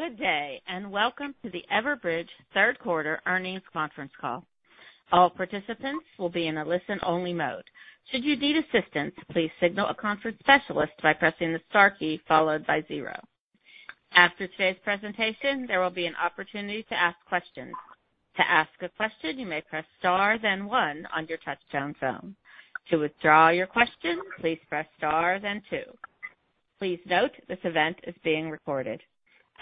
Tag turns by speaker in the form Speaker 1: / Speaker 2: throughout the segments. Speaker 1: Good day, and welcome to the Everbridge Third Quarter Earnings Conference Call. All participants will be in a listen-only mode. Should you need assistance, please signal a conference specialist by pressing the star key followed by zero. After today's presentation, there will be an opportunity to ask questions. To ask a question, you may press star then one on your touchtone phone. To withdraw your question, please press star then two. Please note, this event is being recorded.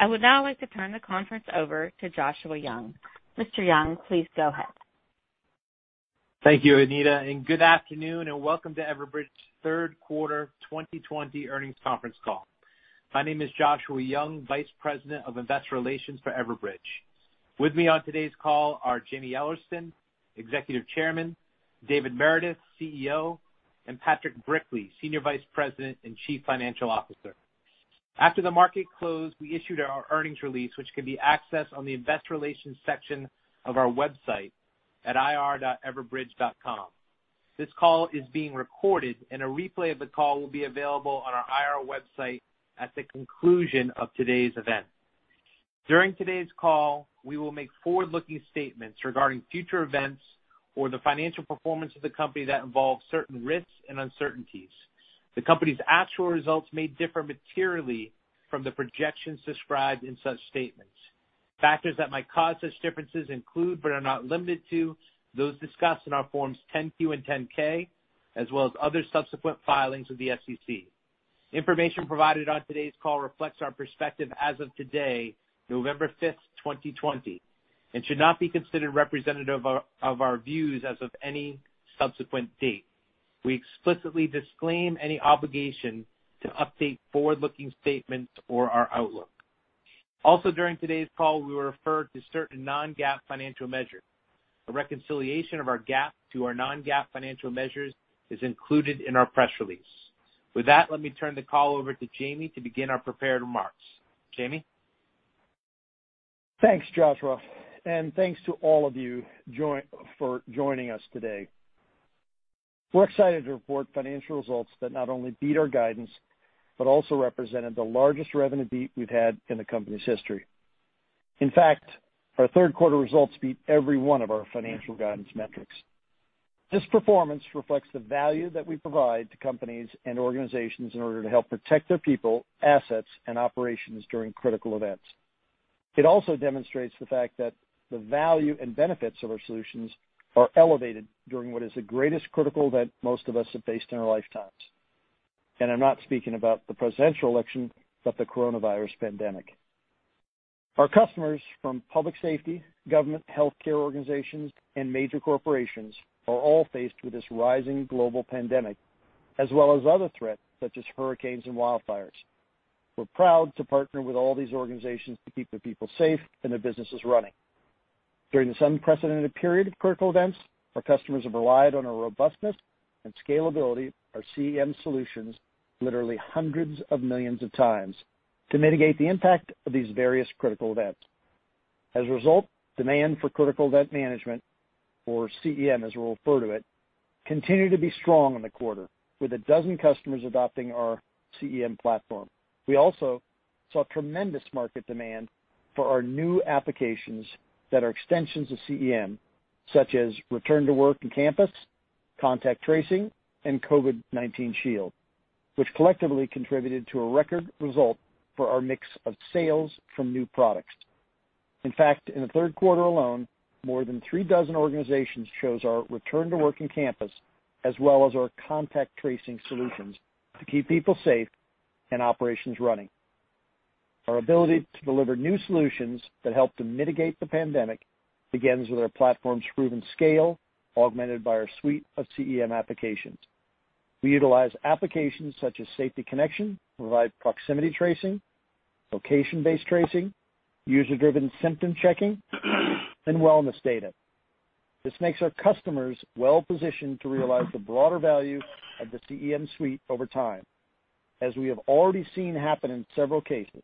Speaker 1: I would now like to turn the conference over to Joshua Young. Mr. Young, please go ahead.
Speaker 2: Thank you, Anita. Good afternoon, and welcome to Everbridge third quarter 2020 earnings conference call. My name is Joshua Young, Vice President of Investor Relations for Everbridge. With me on today's call are Jaime Ellertson, Executive Chairman, David Meredith, CEO, and Patrick Brickley, Senior Vice President and Chief Financial Officer. After the market closed, we issued our earnings release, which can be accessed on the investor relations section of our website at ir.everbridge.com. This call is being recorded. A replay of the call will be available on our IR website at the conclusion of today's event. During today's call, we will make forward-looking statements regarding future events or the financial performance of the company that involve certain risks and uncertainties. The company's actual results may differ materially from the projections described in such statements. Factors that might cause such differences include, but are not limited to, those discussed in our Forms 10-Q and 10-K, as well as other subsequent filings with the SEC. Information provided on today's call reflects our perspective as of today, November 5th, 2020, and should not be considered representative of our views as of any subsequent date. We explicitly disclaim any obligation to update forward-looking statements or our outlook. Also, during today's call, we will refer to certain non-GAAP financial measures. A reconciliation of our GAAP to our non-GAAP financial measures is included in our press release. With that, let me turn the call over to Jaime to begin our prepared remarks. Jaime?
Speaker 3: Thanks, Joshua, thanks to all of you for joining us today. We're excited to report financial results that not only beat our guidance, but also represented the largest revenue beat we've had in the company's history. In fact, our third quarter results beat every one of our financial guidance metrics. This performance reflects the value that we provide to companies and organizations in order to help protect their people, assets, and operations during critical events. It also demonstrates the fact that the value and benefits of our solutions are elevated during what is the greatest critical event most of us have faced in our lifetimes. I'm not speaking about the presidential election, but the coronavirus pandemic. Our customers from public safety, government, healthcare organizations, and major corporations are all faced with this rising global pandemic, as well as other threats such as hurricanes and wildfires. We're proud to partner with all these organizations to keep their people safe and their businesses running. During this unprecedented period of critical events, our customers have relied on our robustness and scalability of our CEM solutions literally hundreds of millions of times to mitigate the impact of these various critical events. As a result, demand for critical event management, or CEM, as we'll refer to it, continued to be strong in the quarter, with a dozen customers adopting our CEM platform. We also saw tremendous market demand for our new applications that are extensions of CEM, such as Return to Work and Campus, Contact Tracing, and COVID-19 Shield, which collectively contributed to a record result for our mix of sales from new products. In fact, in the third quarter alone, more than three dozen organizations chose our Return to Work and Campus, as well as our Contact Tracing solutions to keep people safe and operations running. Our ability to deliver new solutions that help to mitigate the pandemic begins with our platform's proven scale, augmented by our suite of CEM applications. We utilize applications such as Safety Connection to provide proximity tracing, location-based tracing, user-driven symptom checking, and wellness data. This makes our customers well-positioned to realize the broader value of the CEM suite over time, as we have already seen happen in several cases.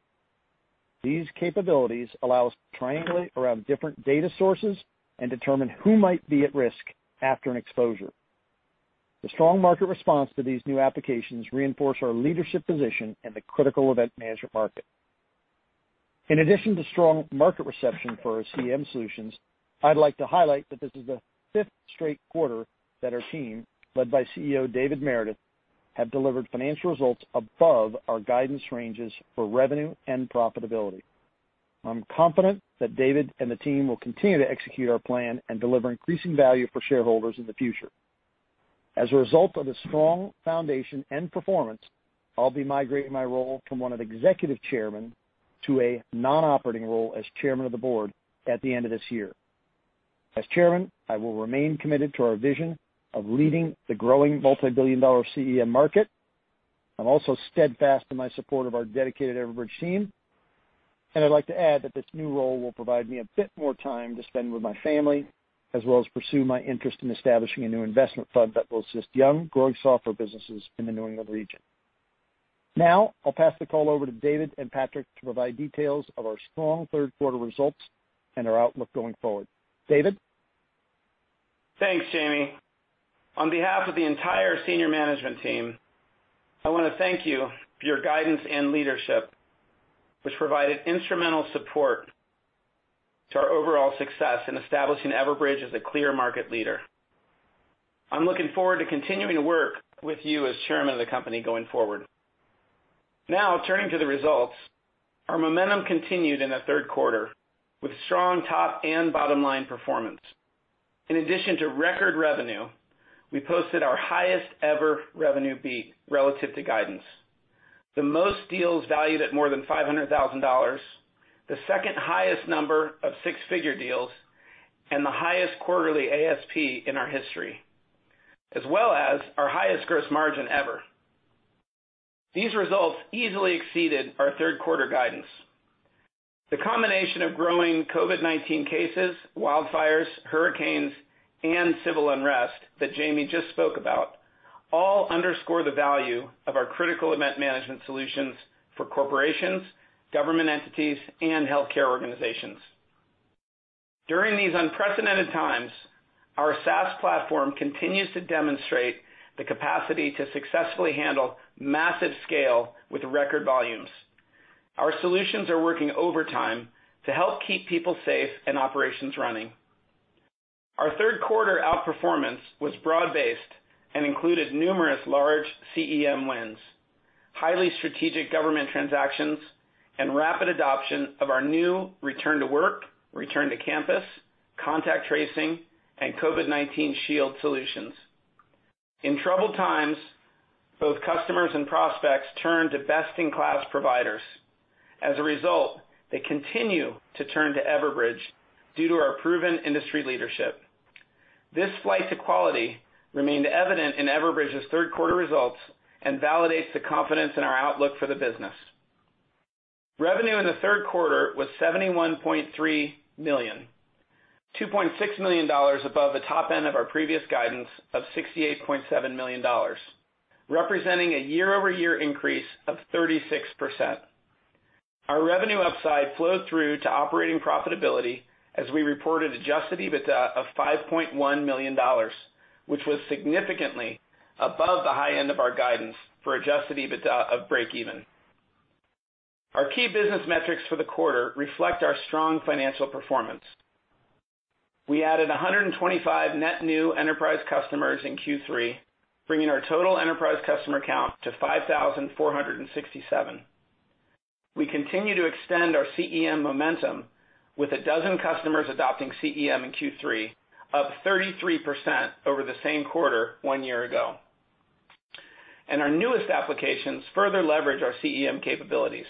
Speaker 3: These capabilities allow us to triangulate around different data sources and determine who might be at risk after an exposure. The strong market response to these new applications reinforces our leadership position in the critical event management market. In addition to strong market reception for our CEM solutions, I'd like to highlight that this is the fifth straight quarter that our team, led by CEO David Meredith, have delivered financial results above our guidance ranges for revenue and profitability. I'm confident that David and the team will continue to execute our plan and deliver increasing value for shareholders in the future. As a result of this strong foundation and performance, I'll be migrating my role from one of Executive Chairman to a non-operating role as Chairman of the Board at the end of this year. As Chairman, I will remain committed to our vision of leading the growing multi-billion-dollar CEM market. I'm also steadfast in my support of our dedicated Everbridge team. I'd like to add that this new role will provide me a bit more time to spend with my family, as well as pursue my interest in establishing a new investment fund that will assist young, growing software businesses in the New England region. I'll pass the call over to David and Patrick to provide details of our strong third quarter results and our outlook going forward. David?
Speaker 4: Thanks, Jaime. On behalf of the entire senior management team, I want to thank you for your guidance and leadership, which provided instrumental support to our overall success in establishing Everbridge as a clear market leader. I'm looking forward to continuing to work with you as Chairman of the company going forward. Now, turning to the results, our momentum continued in the third quarter, with strong top and bottom-line performance. In addition to record revenue, we posted our highest-ever revenue beat relative to guidance, the most deals valued at more than $500,000, the second highest number of six-figure deals, and the highest quarterly ASP in our history, as well as our highest gross margin ever. These results easily exceeded our third quarter guidance. The combination of growing COVID-19 cases, wildfires, hurricanes, and civil unrest that Jaime just spoke about, all underscore the value of our critical event management solutions for corporations, government entities, and healthcare organizations. During these unprecedented times, our SaaS platform continues to demonstrate the capacity to successfully handle massive scale with record volumes. Our solutions are working overtime to help keep people safe and operations running. Our third quarter outperformance was broad-based and included numerous large CEM wins, highly strategic government transactions, and rapid adoption of our new Return to Work, Return to Campus, Contact Tracing, and COVID-19 Shield solutions. In troubled times, both customers and prospects turn to best-in-class providers. As a result, they continue to turn to Everbridge due to our proven industry leadership. This flight to quality remained evident in Everbridge's third quarter results and validates the confidence in our outlook for the business. Revenue in the third quarter was $71.3 million, $2.6 million above the top end of our previous guidance of $68.7 million, representing a year-over-year increase of 36%. Our revenue upside flowed through to operating profitability as we reported adjusted EBITDA of $5.1 million, which was significantly above the high end of our guidance for adjusted EBITDA of break even. Our key business metrics for the quarter reflect our strong financial performance. We added 125 net new enterprise customers in Q3, bringing our total enterprise customer count to 5,467. We continue to extend our CEM momentum with 12 customers adopting CEM in Q3, up 33% over the same quarter one year ago. Our newest applications further leverage our CEM capabilities.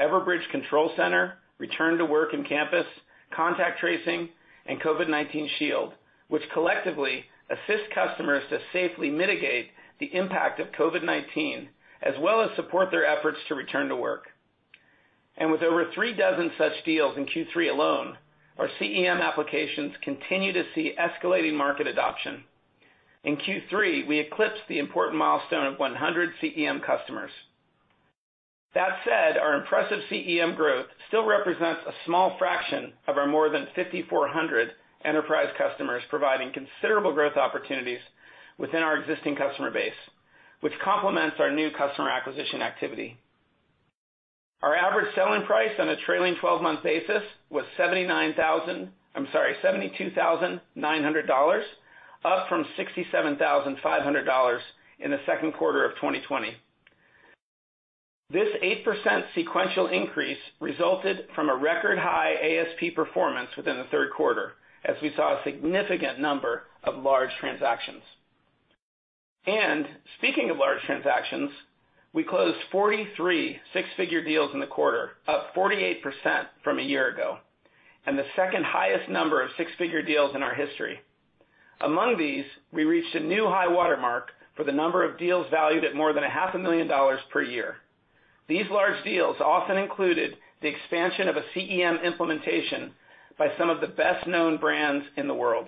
Speaker 4: Everbridge Control Center, Return to Work and Campus, Contact Tracing, and COVID-19 Shield, which collectively assist customers to safely mitigate the impact of COVID-19, as well as support their efforts to return to work. With over three dozen such deals in Q3 alone, our CEM applications continue to see escalating market adoption. In Q3, we eclipsed the important milestone of 100 CEM customers. That said, our impressive CEM growth still represents a small fraction of our more than 5,400 enterprise customers, providing considerable growth opportunities within our existing customer base, which complements our new customer acquisition activity. Our average selling price on a trailing 12-month basis was $72,900, up from $67,500 in the second quarter of 2020. This 8% sequential increase resulted from a record-high ASP performance within the third quarter, as we saw a significant number of large transactions. Speaking of large transactions, we closed 43 six-figure deals in the quarter, up 48% from a year ago, and the second highest number of six-figure deals in our history. Among these, we reached a new high watermark for the number of deals valued at more than $500,000 per year. These large deals often included the expansion of a CEM implementation by some of the best-known brands in the world,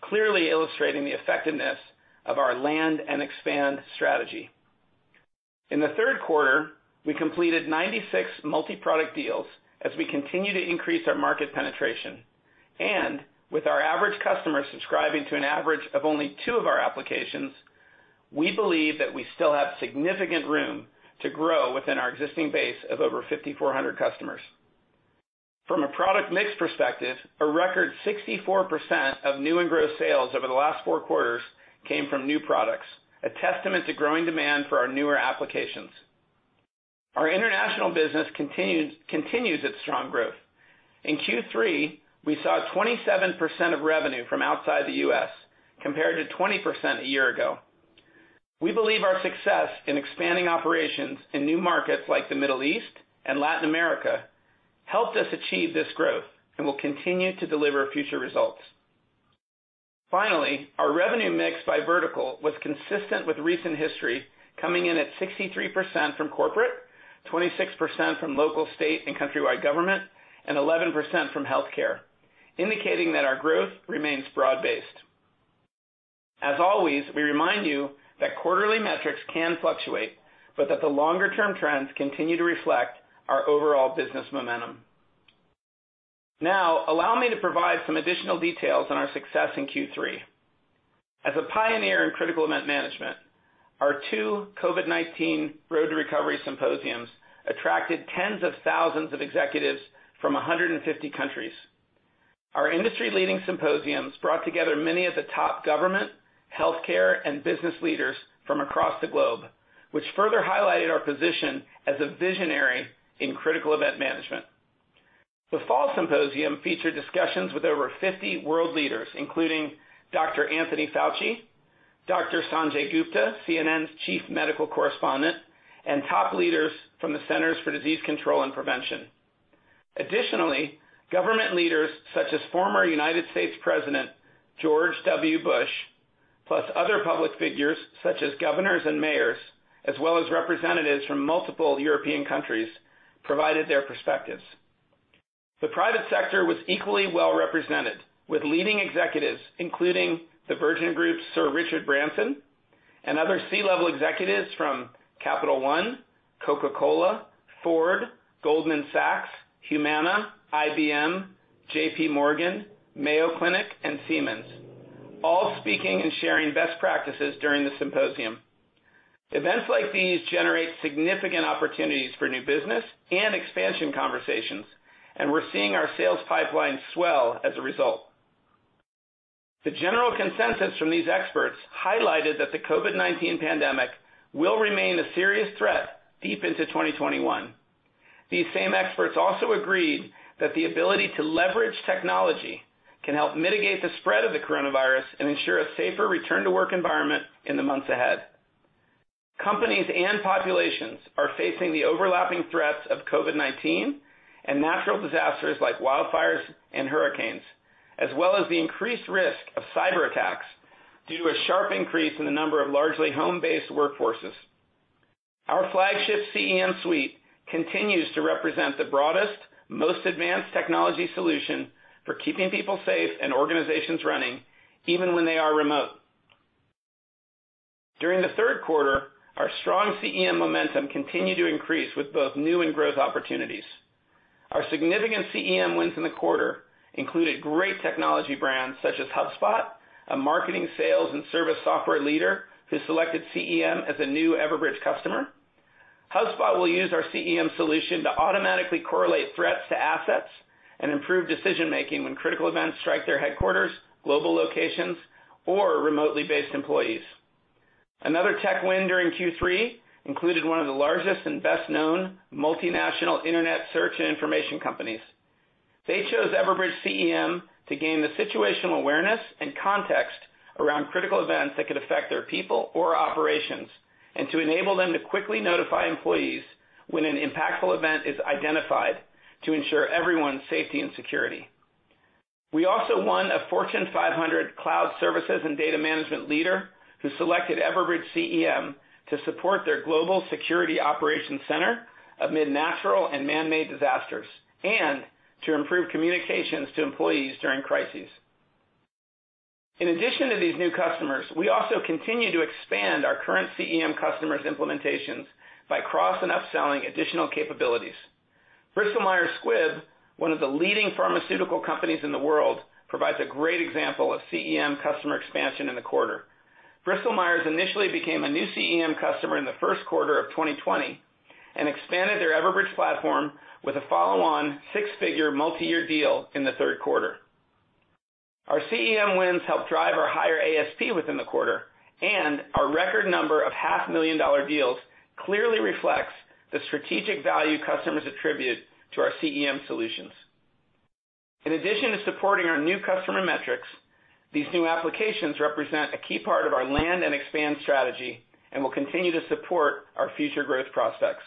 Speaker 4: clearly illustrating the effectiveness of our land and expand strategy. In the third quarter, we completed 96 multi-product deals as we continue to increase our market penetration. With our average customer subscribing to an average of only two of our applications, we believe that we still have significant room to grow within our existing base of over 5,400 customers. From a product mix perspective, a record 64% of new and gross sales over the last four quarters came from new products, a testament to growing demand for our newer applications. Our international business continues its strong growth. In Q3, we saw 27% of revenue from outside the U.S., compared to 20% a year ago. We believe our success in expanding operations in new markets like the Middle East and Latin America helped us achieve this growth and will continue to deliver future results. Finally, our revenue mix by vertical was consistent with recent history, coming in at 63% from corporate, 26% from local, state, and countrywide government, and 11% from healthcare, indicating that our growth remains broad-based. As always, we remind you that quarterly metrics can fluctuate, but that the longer-term trends continue to reflect our overall business momentum. Now, allow me to provide some additional details on our success in Q3. As a pioneer in critical event management, our two COVID-19: Road to Recovery Symposiums attracted 10s of thousands of executives from 150 countries. Our industry-leading symposiums brought together many of the top government, healthcare, and business leaders from across the globe, which further highlighted our position as a visionary in critical event management. The fall symposium featured discussions with over 50 world leaders, including Dr. Anthony Fauci, Dr. Sanjay Gupta, CNN's Chief Medical Correspondent, and top leaders from the Centers for Disease Control and Prevention. Additionally, government leaders such as former United States President George W. Bush, plus other public figures such as governors and mayors, as well as representatives from multiple European countries, provided their perspectives. The private sector was equally well-represented, with leading executives, including the Virgin Group's Sir Richard Branson, and other C-level executives from Capital One, Coca-Cola, Ford, Goldman Sachs, Humana, IBM, JPMorgan, Mayo Clinic, and Siemens, all speaking and sharing best practices during the symposium. Events like these generate significant opportunities for new business and expansion conversations, and we're seeing our sales pipeline swell as a result. The general consensus from these experts highlighted that the COVID-19 pandemic will remain a serious threat deep into 2021. These same experts also agreed that the ability to leverage technology can help mitigate the spread of the coronavirus and ensure a safer return to work environment in the months ahead. Companies and populations are facing the overlapping threats of COVID-19 and natural disasters like wildfires and hurricanes, as well as the increased risk of cyberattacks due to a sharp increase in the number of largely home-based workforces. Our flagship CEM suite continues to represent the broadest, most advanced technology solution for keeping people safe and organizations running even when they are remote. During the third quarter, our strong CEM momentum continued to increase with both new and growth opportunities. Our significant CEM wins in the quarter included great technology brands such as HubSpot, a marketing, sales, and service software leader who selected CEM as a new Everbridge customer. HubSpot will use our CEM solution to automatically correlate threats to assets and improve decision-making when critical events strike their headquarters, global locations, or remotely based employees. Another tech win during Q3 included one of the largest and best-known multinational internet search and information companies. They chose Everbridge CEM to gain the situational awareness and context around critical events that could affect their people or operations, and to enable them to quickly notify employees when an impactful event is identified to ensure everyone's safety and security. We also won a Fortune 500 cloud services and data management leader who selected Everbridge CEM to support their global security operations center amid natural and man-made disasters, and to improve communications to employees during crises. In addition to these new customers, we also continue to expand our current CEM customers' implementations by cross and upselling additional capabilities. Bristol Myers Squibb, one of the leading pharmaceutical companies in the world, provides a great example of CEM customer expansion in the quarter. Bristol Myers initially became a new CEM customer in the first quarter of 2020 and expanded their Everbridge platform with a follow-on six-figure multi-year deal in the third quarter. Our CEM wins helped drive our higher ASP within the quarter, and our record number of $500,000 deals clearly reflects the strategic value customers attribute to our CEM solutions. In addition to supporting our new customer metrics, these new applications represent a key part of our land and expand strategy and will continue to support our future growth prospects.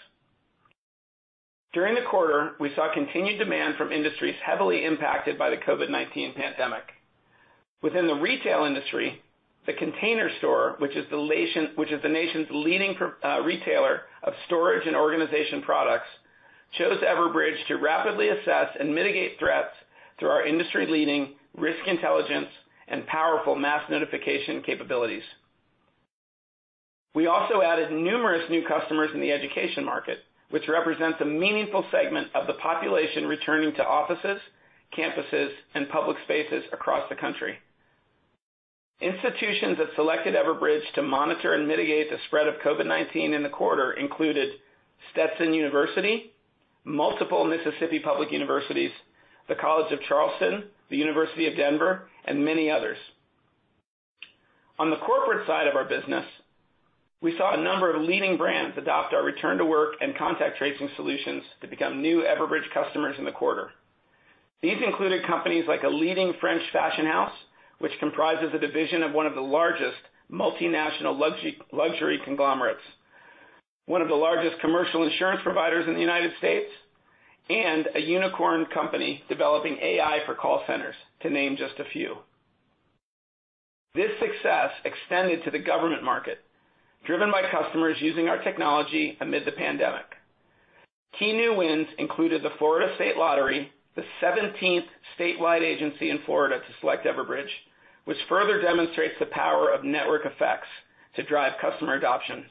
Speaker 4: During the quarter, we saw continued demand from industries heavily impacted by the COVID-19 pandemic. Within the retail industry, The Container Store, which is the nation's leading retailer of storage and organization products, chose Everbridge to rapidly assess and mitigate threats through our industry-leading Risk Intelligence and powerful Mass Notification capabilities. We also added numerous new customers in the education market, which represents a meaningful segment of the population returning to offices, campuses, and public spaces across the country. Institutions that selected Everbridge to monitor and mitigate the spread of COVID-19 in the quarter included Stetson University, multiple Mississippi public universities, the College of Charleston, the University of Denver, and many others. On the corporate side of our business, we saw a number of leading brands adopt our return to work and contact tracing solutions to become new Everbridge customers in the quarter. These included companies like a leading French fashion house, which comprises a division of one of the largest multinational luxury conglomerates, one of the largest commercial insurance providers in the United States, and a unicorn company developing AI for call centers, to name just a few. This success extended to the government market, driven by customers using our technology amid the pandemic. Key new wins included the Florida Lottery, the 17th statewide agency in Florida to select Everbridge, which further demonstrates the power of network effects to drive customer adoption.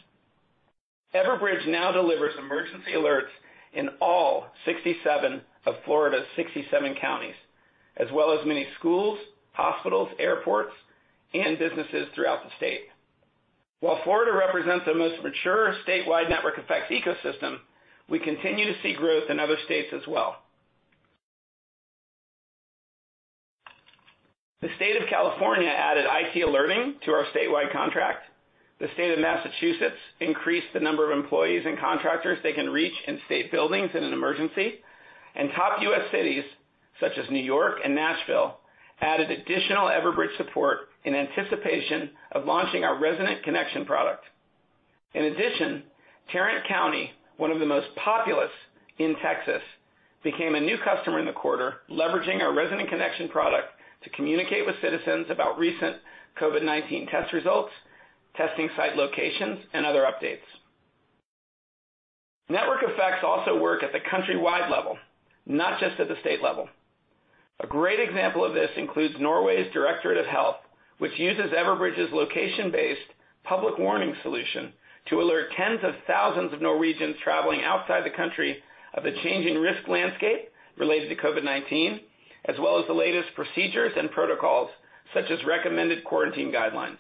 Speaker 4: Everbridge now delivers emergency alerts in all 67 of Florida's 67 counties, as well as many schools, hospitals, airports, and businesses throughout the state. While Florida represents the most mature statewide network effects ecosystem, we continue to see growth in other states as well. The State of California added IT Alerting to our statewide contract. The State of Massachusetts increased the number of employees and contractors they can reach in state buildings in an emergency. Top U.S. cities, such as New York and Nashville, added additional Everbridge support in anticipation of launching our Resident Connection product. In addition, Tarrant County, one of the most populous in Texas, became a new customer in the quarter, leveraging our Resident Connection product to communicate with citizens about recent COVID-19 test results, testing site locations, and other updates. Network effects also work at the countrywide level, not just at the state level. A great example of this includes Norwegian Directorate of Health, which uses Everbridge's location-based public warning solution to alert 10s of thousands of Norwegians traveling outside the country of a change in risk landscape related to COVID-19, as well as the latest procedures and protocols such as recommended quarantine guidelines.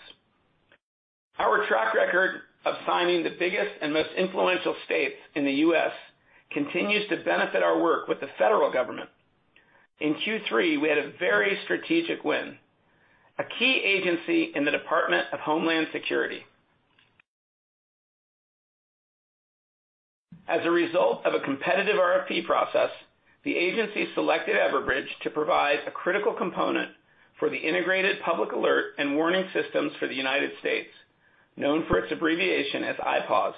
Speaker 4: Our track record of signing the biggest and most influential states in the U.S. continues to benefit our work with the federal government. In Q3, we had a very strategic win, a key agency in the Department of Homeland Security. As a result of a competitive RFP process, the agency selected Everbridge to provide a critical component for the Integrated Public Alert and Warning Systems for the United States, known for its abbreviation as IPAWS.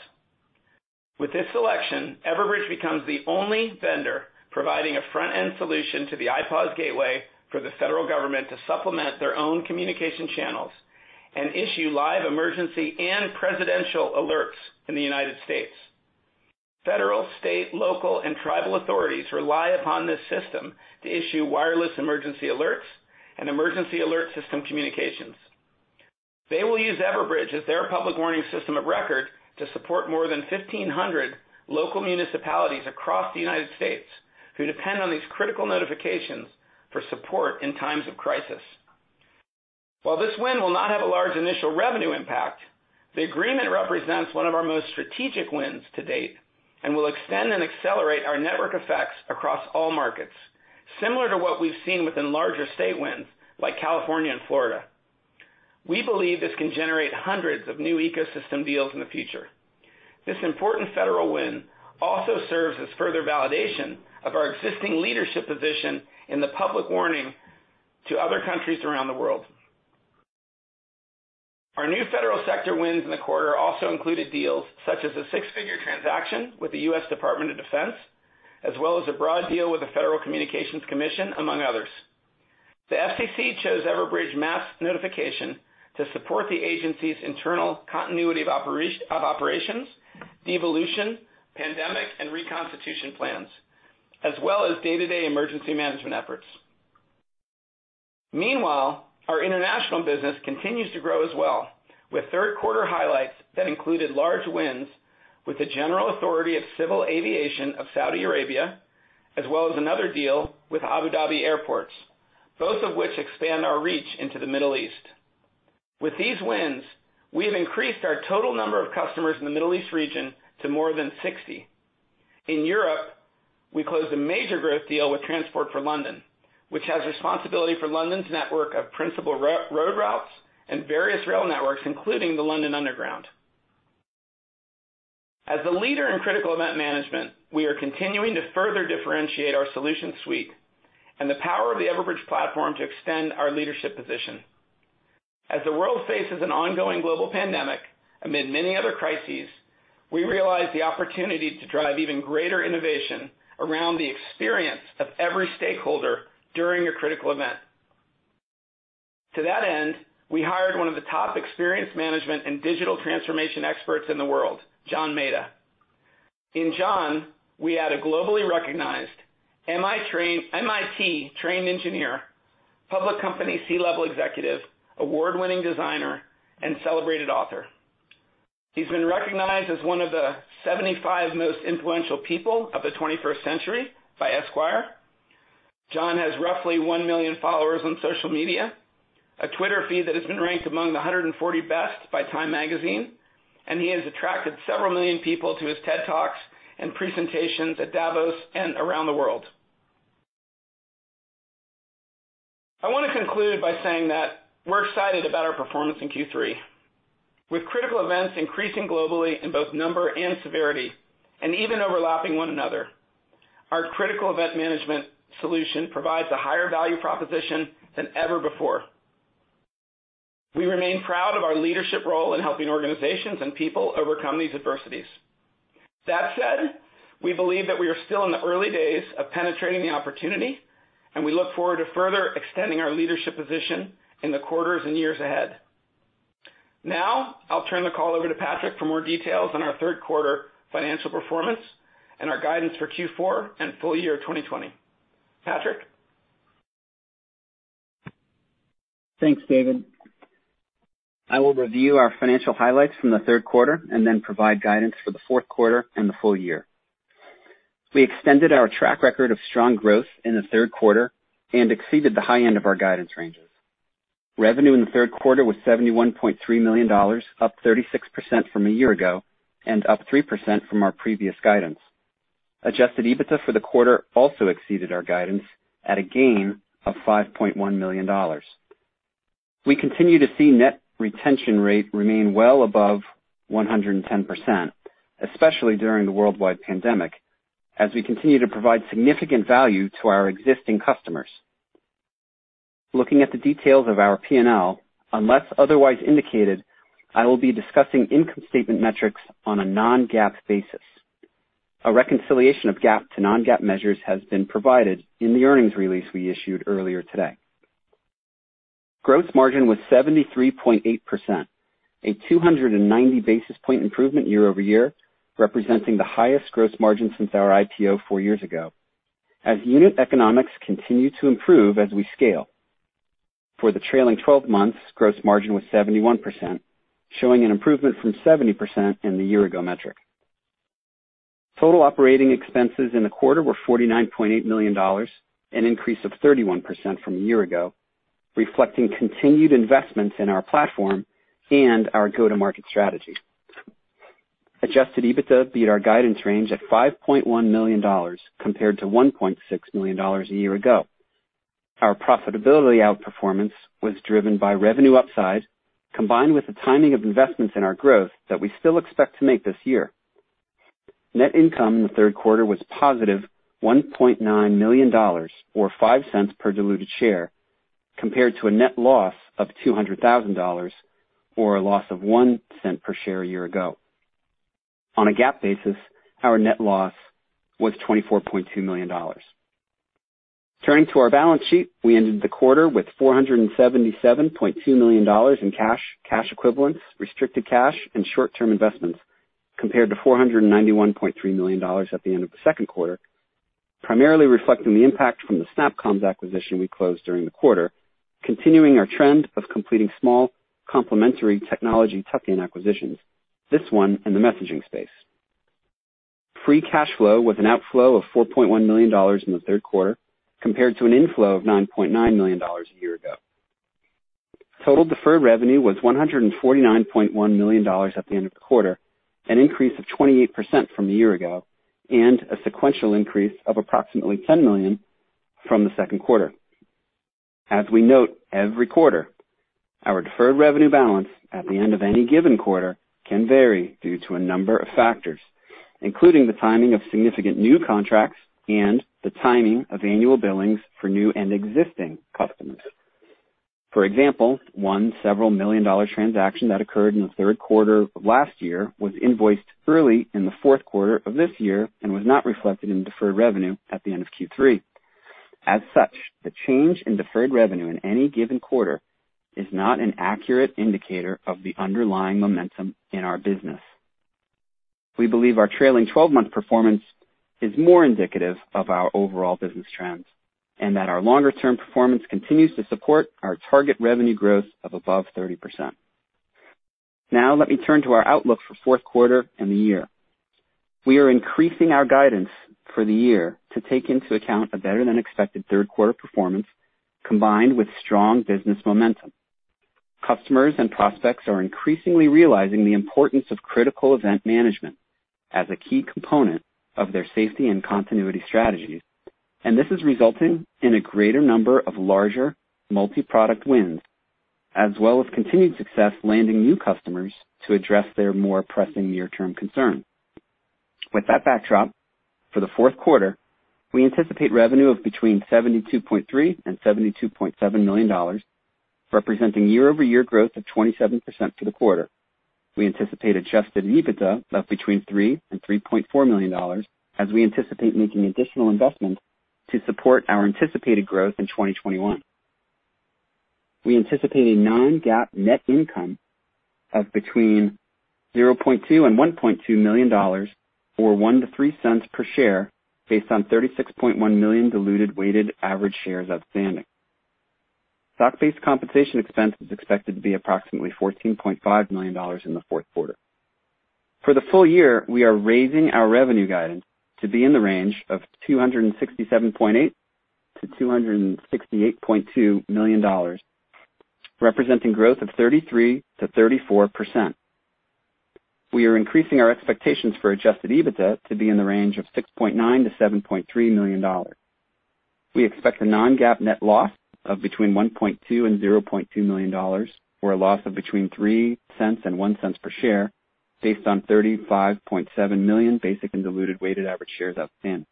Speaker 4: With this selection, Everbridge becomes the only vendor providing a front-end solution to the IPAWS gateway for the federal government to supplement their own communication channels and issue live emergency and presidential alerts in the United States. Federal, state, local, and tribal authorities rely upon this system to issue wireless emergency alerts and emergency alert system communications. They will use Everbridge as their public warning system of record to support more than 1,500 local municipalities across the United States who depend on these critical notifications for support in times of crisis. While this win will not have a large initial revenue impact, the agreement represents one of our most strategic wins to date and will extend and accelerate our network effects across all markets, similar to what we've seen within larger state wins like California and Florida. We believe this can generate hundreds of new ecosystem deals in the future. This important federal win also serves as further validation of our existing leadership position in the public warning to other countries around the world. Our new federal sector wins in the quarter also included deals such as a six-figure transaction with the U.S. Department of Defense, as well as a broad deal with the Federal Communications Commission, among others. The FCC chose Everbridge Mass Notification to support the agency's internal continuity of operations, devolution, pandemic, and reconstitution plans, as well as day-to-day emergency management efforts. Meanwhile, our international business continues to grow as well, with third quarter highlights that included large wins with the General Authority of Civil Aviation of Saudi Arabia, as well as another deal with Abu Dhabi Airports, both of which expand our reach into the Middle East. With these wins, we have increased our total number of customers in the Middle East region to more than 60. In Europe, we closed a major growth deal with Transport for London, which has responsibility for London's network of principal road routes and various rail networks, including the London Underground. As a leader in critical event management, we are continuing to further differentiate our solution suite and the power of the Everbridge platform to extend our leadership position. As the world faces an ongoing global pandemic amid many other crises, we realize the opportunity to drive even greater innovation around the experience of every stakeholder during a critical event. To that end, we hired one of the top experience management and digital transformation experts in the world, John Maeda. In John, we add a globally recognized MIT-trained engineer, public company C-level executive, award-winning designer, and celebrated author. He's been recognized as one of the 75 most influential people of the 21st century by Esquire. John has roughly one million followers on social media, a Twitter feed that has been ranked among the 140 best by Time Magazine, and he has attracted several million people to his TED Talks and presentations at Davos and around the world. I want to conclude by saying that we're excited about our performance in Q3. With critical events increasing globally in both number and severity, and even overlapping one another, our critical event management solution provides a higher value proposition than ever before. We remain proud of our leadership role in helping organizations and people overcome these adversities. That said, we believe that we are still in the early days of penetrating the opportunity, and we look forward to further extending our leadership position in the quarters and years ahead. Now, I'll turn the call over to Patrick for more details on our third quarter financial performance and our guidance for Q4 and full year 2020. Patrick?
Speaker 5: Thanks, David. I will review our financial highlights from the third quarter and then provide guidance for the fourth quarter and the full year. We extended our track record of strong growth in the third quarter and exceeded the high end of our guidance ranges. Revenue in the third quarter was $71.3 million, up 36% from a year ago and up 3% from our previous guidance. Adjusted EBITDA for the quarter also exceeded our guidance at a gain of $5.1 million. We continue to see net retention rate remain well above 110%, especially during the worldwide pandemic, as we continue to provide significant value to our existing customers. Looking at the details of our P&L, unless otherwise indicated, I will be discussing income statement metrics on a non-GAAP basis. A reconciliation of GAAP to non-GAAP measures has been provided in the earnings release we issued earlier today. Gross margin was 73.8%, a 290-basis point improvement year-over-year, representing the highest gross margin since our IPO four years ago, as unit economics continue to improve as we scale. For the trailing 12 months, gross margin was 71%, showing an improvement from 70% in the year ago metric. Total operating expenses in the quarter were $49.8 million, an increase of 31% from a year ago, reflecting continued investments in our platform and our go-to-market strategy. Adjusted EBITDA beat our guidance range at $5.1 million, compared to $1.6 million a year ago. Our profitability outperformance was driven by revenue upside, combined with the timing of investments in our growth that we still expect to make this year. Net income in the third quarter was positive $1.9 million, or $0.05 per diluted share, compared to a net loss of $200,000, or a loss of $0.01 per share a year ago. On a GAAP basis, our net loss was $24.2 million. Turning to our balance sheet, we ended the quarter with $477.2 million in cash equivalents, restricted cash, and short-term investments, compared to $491.3 million at the end of the second quarter, primarily reflecting the impact from the SnapComms acquisition we closed during the quarter, continuing our trend of completing small, complementary technology tuck-in acquisitions, this one in the messaging space. Free cash flow was an outflow of $4.1 million in the third quarter, compared to an inflow of $9.9 million a year ago. Total deferred revenue was $149.1 million at the end of the quarter, an increase of 28% from a year ago, and a sequential increase of approximately $10 million from the second quarter. As we note every quarter, our deferred revenue balance at the end of any given quarter can vary due to a number of factors, including the timing of significant new contracts and the timing of annual billings for new and existing customers. For example, one several million-dollar transactions that occurred in the third quarter of last year was invoiced early in the fourth quarter of this year and was not reflected in deferred revenue at the end of Q3. As such, the change in deferred revenue in any given quarter is not an accurate indicator of the underlying momentum in our business. We believe our trailing 12-month performance is more indicative of our overall business trends, and that our longer-term performance continues to support our target revenue growth of above 30%. Let me turn to our outlook for fourth quarter and the year. We are increasing our guidance for the year to take into account a better-than-expected third quarter performance, combined with strong business momentum. Customers and prospects are increasingly realizing the importance of critical event management as a key component of their safety and continuity strategies, and this is resulting in a greater number of larger multiproduct wins, as well as continued success landing new customers to address their more pressing near-term concerns. With that backdrop, for the fourth quarter, we anticipate revenue of between $72.3 and $72.7 million, representing year-over-year growth of 27% for the quarter. We anticipate adjusted EBITDA of between $3 million and $3.4 million, as we anticipate making additional investments to support our anticipated growth in 2021. We anticipate a non-GAAP net income of between $0.2 million and $1.2 million, or $0.01-$0.03 per share, based on 36.1 million diluted weighted average shares outstanding. Stock-based compensation expense is expected to be approximately $14.5 million in the fourth quarter. For the full year, we are raising our revenue guidance to be in the range of $267.8 million-$268.2 million, representing growth of 33%-34%. We are increasing our expectations for adjusted EBITDA to be in the range of $6.9 million-$7.3 million. We expect a non-GAAP net loss of between $1.2 million and $0.2 million, or a loss of between $0.03 and $0.01 per share, based on 35.7 million basic and diluted weighted average shares outstanding.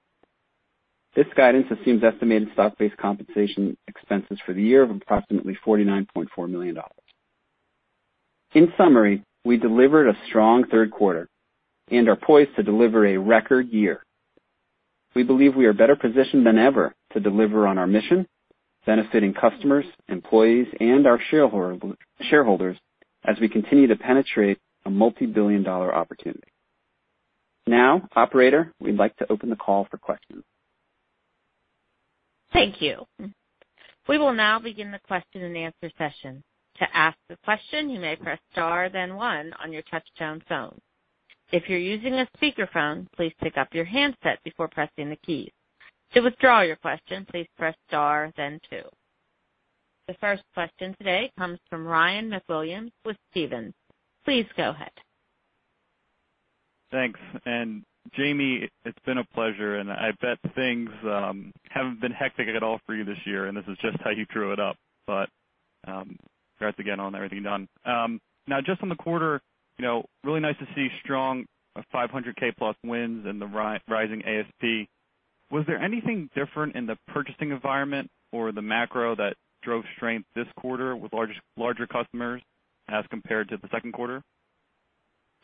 Speaker 5: This guidance assumes estimated stock-based compensation expenses for the year of approximately $49.4 million. In summary, we delivered a strong third quarter and are poised to deliver a record year. We believe we are better positioned than ever to deliver on our mission, benefiting customers, employees, and our shareholders as we continue to penetrate a multibillion-dollar opportunity. Operator, we'd like to open the call for questions.
Speaker 1: Thank you. We will now begin the question-and-answer session. To ask a question, you may press star then one on your touchtone phone. If you're using a speakerphone, please pick up your handset before pressing the keys. To withdraw your question, please press star then two. The first question today comes from Ryan MacWilliams with Stephens. Please go ahead.
Speaker 6: Thanks. Jaime, it's been a pleasure, and I bet things haven't been hectic at all for you this year, and this is just how you drew it up. Congrats again on everything done. Just on the quarter, really nice to see strong 500K+ wins and the rising ASP. Was there anything different in the purchasing environment or the macro that drove strength this quarter with larger customers as compared to the second quarter?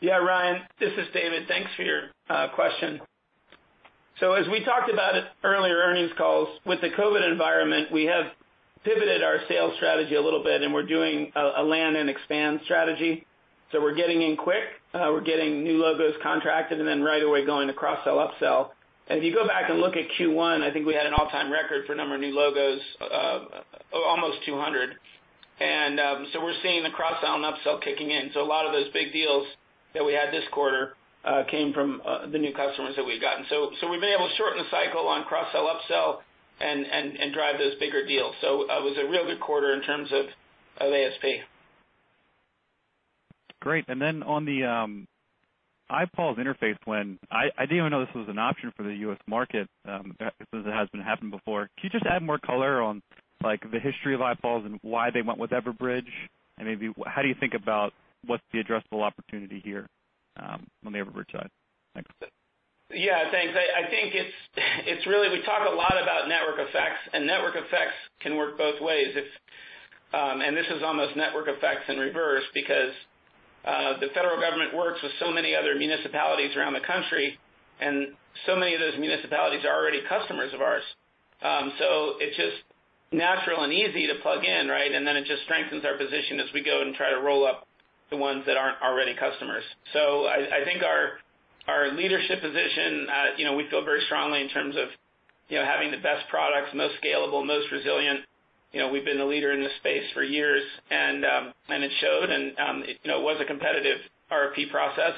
Speaker 4: Ryan, this is David. Thanks for your question. As we talked about at earlier earnings calls, with the COVID environment, we have pivoted our sales strategy a little bit. We're doing a land and expand strategy. We're getting in quick. We're getting new logos contracted, then right away going to cross-sell, up-sell. If you go back and look at Q1, I think we had an all-time record for number of new logos, almost 200. We're seeing the cross-sell and up-sell kicking in. A lot of those big deals that we had this quarter came from the new customers that we've gotten. We've been able to shorten the cycle on cross-sell, up-sell and drive those bigger deals. It was a real good quarter in terms of ASP.
Speaker 6: Great. Then on the IPAWS interface win, I didn't even know this was an option for the U.S. market, because it hasn't happened before. Can you just add more color on the history of IPAWS and why they went with Everbridge? Maybe how do you think about what's the addressable opportunity here on the Everbridge side? Thanks.
Speaker 4: Yeah, thanks. I think it's really, we talk a lot about network effects. Network effects can work both ways. This is almost network effects in reverse because the federal government works with so many other municipalities around the country. So many of those municipalities are already customers of ours. It's just natural and easy to plug in, right? It just strengthens our position as we go and try to roll up the ones that aren't already customers. I think our leadership position, we feel very strongly in terms of having the best products, most scalable, most resilient. We've been the leader in this space for years. It showed. It was a competitive RFP process.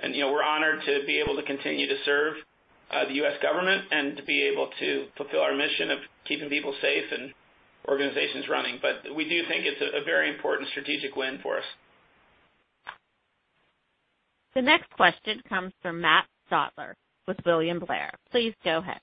Speaker 4: We're honored to be able to continue to serve the U.S. government and to be able to fulfill our mission of keeping people safe and organizations running. We do think it's a very important strategic win for us.
Speaker 1: The next question comes from Matt Stotler with William Blair. Please go ahead.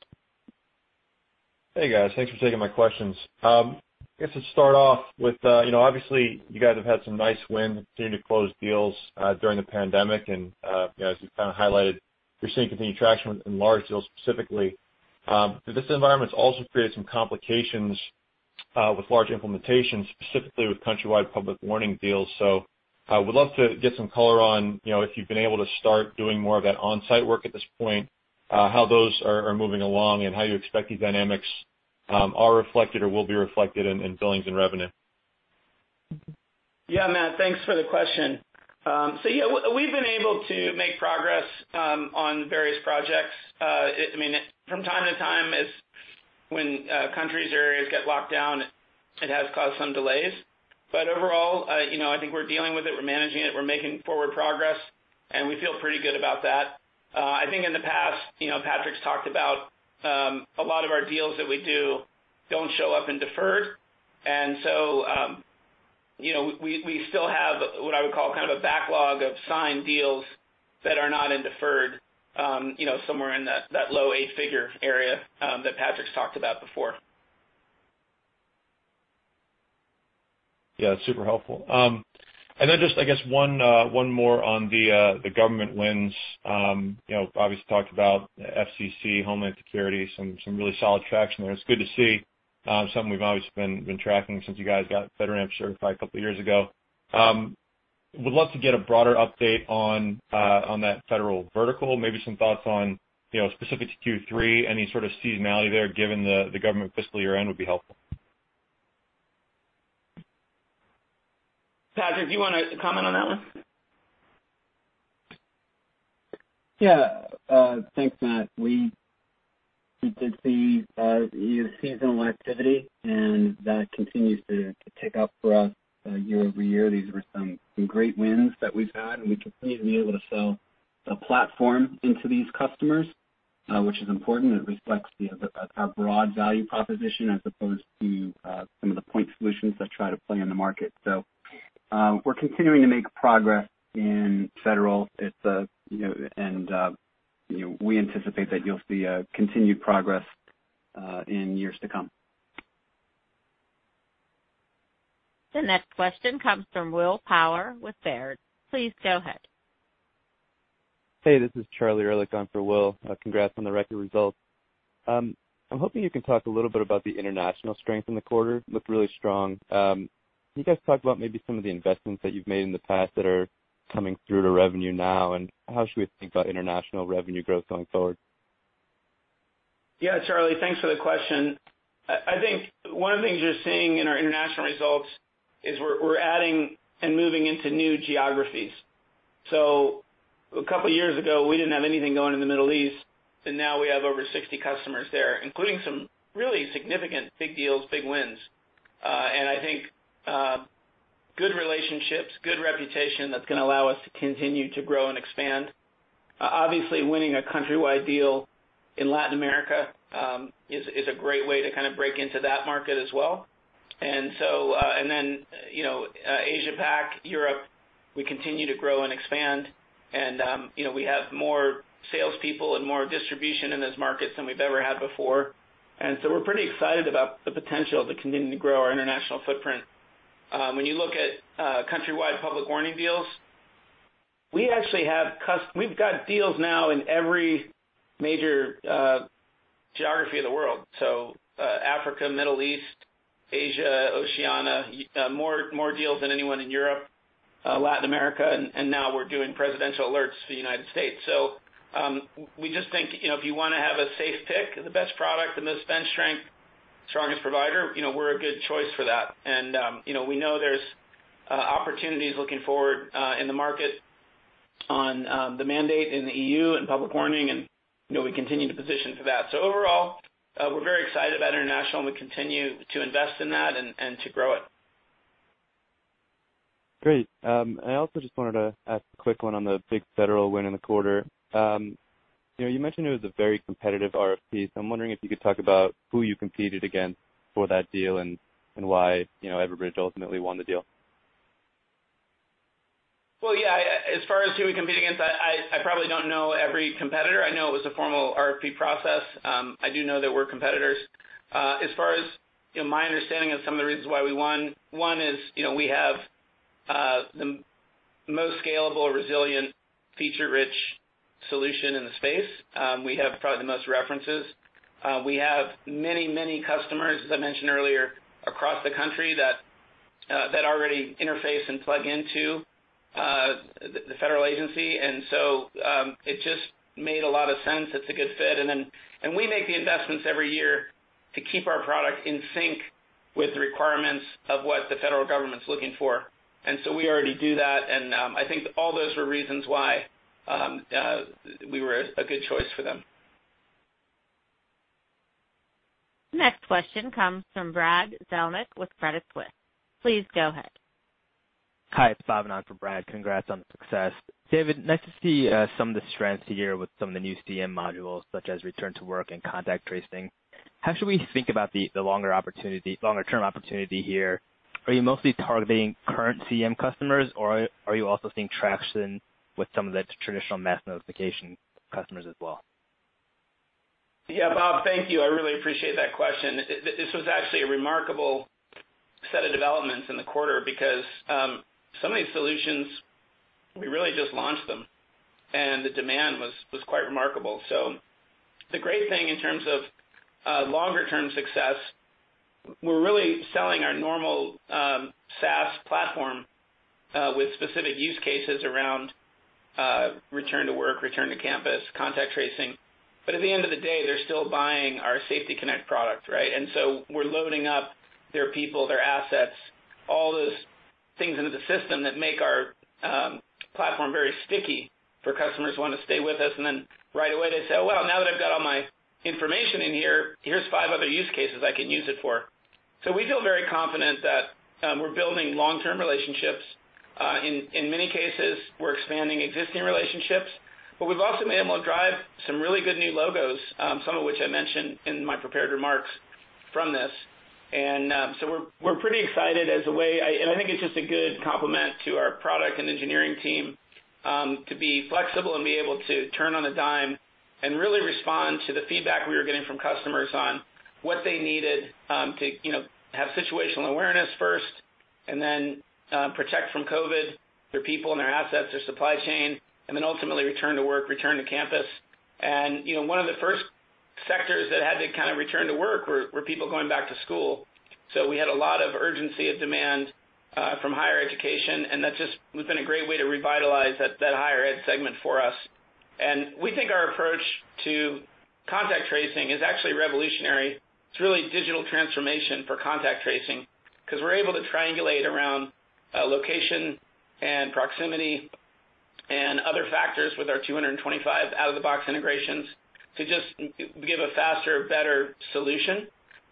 Speaker 7: Hey, guys. Thanks for taking my questions. I guess to start off with, obviously you guys have had some nice wins, continuing to close deals during the pandemic. As you've kind of highlighted, you're seeing continued traction in large deals specifically. This environment's also created some complications with large implementations, specifically with countrywide public warning deals. Would love to get some color on if you've been able to start doing more of that onsite work at this point, how those are moving along and how you expect these dynamics are reflected or will be reflected in billings and revenue.
Speaker 4: Yeah, Matt, thanks for the question. Yeah, we've been able to make progress on various projects. From time to time, when countries or areas get locked down, it has caused some delays. Overall, I think we're dealing with it, we're managing it, we're making forward progress, and we feel pretty good about that. I think in the past, Patrick's talked about a lot of our deals that we do don't show up in deferred. We still have what I would call kind of a backlog of signed deals that are not in deferred, somewhere in that low eight-figure area that Patrick's talked about before.
Speaker 7: Yeah. Super helpful. Just, I guess one more on the government wins. Obviously talked about FCC, Homeland Security, some really solid traction there. It's good to see something we've obviously been tracking since you guys got FedRAMP certified a couple of years ago. Would love to get a broader update on that federal vertical. Maybe some thoughts on, specific to Q3, any sort of seasonality there given the government fiscal year-end would be helpful.
Speaker 4: Patrick, do you want to comment on that one?
Speaker 5: Thanks, Matt. We did see seasonal activity, and that continues to tick up for us year-over-year. These were some great wins that we've had, and we continue to be able to sell a platform into these customers, which is important. It reflects our broad value proposition as opposed to some of the point solutions that try to play in the market. We're continuing to make progress in Federal, and we anticipate that you'll see continued progress in years to come.
Speaker 1: The next question comes from Will Power with Baird. Please go ahead.
Speaker 8: Hey, this is Charlie Erlikh on for Will. Congrats on the record results. I'm hoping you can talk a little bit about the international strength in the quarter. Looked really strong. Can you guys talk about maybe some of the investments that you've made in the past that are coming through to revenue now, and how should we think about international revenue growth going forward?
Speaker 4: Charlie, thanks for the question. I think one of the things you're seeing in our international results is we're adding and moving into new geographies. A couple of years ago, we didn't have anything going in the Middle East, now we have over 60 customers there, including some really significant big deals, big wins. I think good relationships, good reputation, that's going to allow us to continue to grow and expand. Obviously, winning a countrywide deal in Latin America, is a great way to kind of break into that market as well. Asia Pac, Europe, we continue to grow and expand and we have more salespeople and more distribution in those markets than we've ever had before. We're pretty excited about the potential to continue to grow our international footprint. When you look at countrywide public warning deals, we've got deals now in every major geography of the world. Africa, Middle East, Asia, Oceania, more deals than anyone in Europe, Latin America, and now we're doing presidential alerts for the United States. We just think, if you want to have a safe pick, the best product, the most bench strength, strongest provider, we're a good choice for that. We know there's opportunities looking forward, in the market on the mandate in the E.U. and public warning, and we continue to position for that. Overall, we're very excited about international, and we continue to invest in that and to grow it.
Speaker 8: Great. I also just wanted to ask a quick one on the big federal win in the quarter. You mentioned it was a very competitive RFP. I'm wondering if you could talk about who you competed against for that deal and why Everbridge ultimately won the deal.
Speaker 4: Well, yeah. As far as who we compete against, I probably don't know every competitor. I know it was a formal RFP process. I do know there were competitors. As far as my understanding of some of the reasons why we won. One is, we have the most scalable, resilient, feature-rich solution in the space. We have probably the most references. We have many customers, as I mentioned earlier, across the country that already interface and plug into the federal agency, and so, it just made a lot of sense. It's a good fit. We make the investments every year to keep our product in sync with the requirements of what the Federal government's looking for. We already do that, and I think all those were reasons why we were a good choice for them.
Speaker 1: Next question comes from Brad Zelnick with Credit Suisse. Please go ahead.
Speaker 9: Hi, it's Bhavin, on for Brad. Congrats on the success. David, nice to see some of the strengths here with some of the new CEM modules, such as Return to Work and Contact Tracing. How should we think about the longer-term opportunity here? Are you mostly targeting current CEM customers, or are you also seeing traction with some of the traditional Mass Notification customers as well?
Speaker 4: Yeah, Bhav, thank you. I really appreciate that question. This was actually a remarkable set of developments in the quarter because some of these solutions, we really just launched them, and the demand was quite remarkable. The great thing in terms of longer-term success, we're really selling our normal SaaS platform, with specific use cases around return to work, return to campus, contact tracing. At the end of the day, they're still buying our Safety Connection product, right? We're loading up their people, their assets, all those things into the system that make our platform very sticky for customers who want to stay with us. Right away they say, "Well, now that I've got all my information in here's five other use cases I can use it for." We feel very confident that we're building long-term relationships. In many cases, we're expanding existing relationships. We've also been able to drive some really good new logos, some of which I mentioned in my prepared remarks from this. We're pretty excited. I think it's just a good complement to our product and engineering team, to be flexible and be able to turn on a dime and really respond to the feedback we were getting from customers on what they needed, to have situational awareness first and then protect from COVID their people and their assets, their supply chain, and then ultimately return to work, return to campus. One of the first sectors that had to kind of return to work were people going back to school. We had a lot of urgency of demand from higher education, and that's just been a great way to revitalize that higher ed segment for us. We think our approach to contact tracing is actually revolutionary. It's really digital transformation for contact tracing, because we're able to triangulate around location and proximity and other factors with our 225 out-of-the-box integrations to just give a faster, better solution